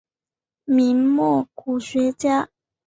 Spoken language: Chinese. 明末古文家。